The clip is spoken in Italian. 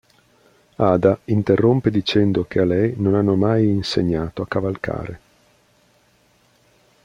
Ada interrompe dicendo che a lei non hanno mai insegnato a cavalcare.